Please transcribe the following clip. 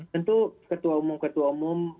tentu ketua umum ketua umum